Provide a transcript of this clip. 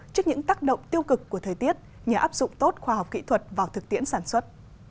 trước những tác động tiêu cực của thời tiết nhờ áp dụng tốt khoa học kỹ thuật vào thực tiễn sản xuất